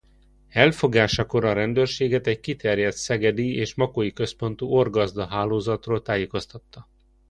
Elfogásakor a rendőrséget egy kiterjedt szegedi és makói központú orgazda-hálózatról tájékoztatta.